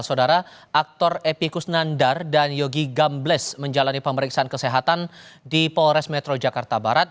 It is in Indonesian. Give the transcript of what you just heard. saudara aktor epi kusnandar dan yogi gambles menjalani pemeriksaan kesehatan di polres metro jakarta barat